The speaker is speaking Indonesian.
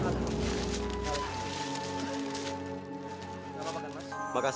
tidak ada masalah